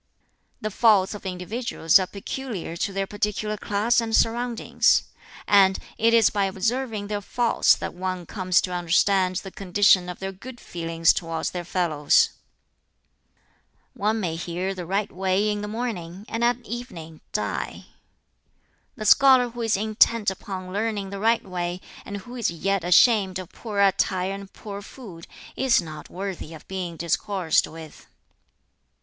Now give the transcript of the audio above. "The faults of individuals are peculiar to their particular class and surroundings; and it is by observing their faults that one comes to understand the condition of their good feelings towards their fellows. "One may hear the right way in the morning, and at evening die. "The scholar who is intent upon learning the right way, and who is yet ashamed of poor attire and poor food, is not worthy of being discoursed with.